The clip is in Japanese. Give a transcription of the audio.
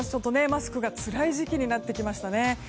マスクがつらい時期になってきました。